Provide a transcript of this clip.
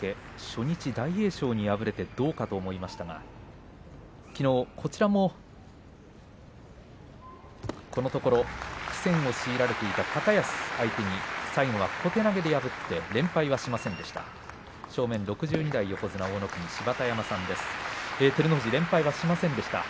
初日大栄翔に敗れてどうかと思いましたがきのう、こちらもこのところ苦戦を強いられていた高安相手に最後は小手投げで破って連敗はしませんでした。。